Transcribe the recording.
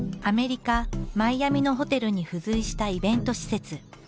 アメリカ・マイアミのホテルに付随したイベント施設。